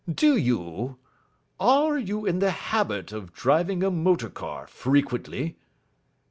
"Do you are you in the habit of driving a motor car frequently?"